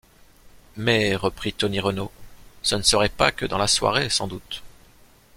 Mais, reprit Tony Renault, ce ne serait que dans la soirée sans doute?...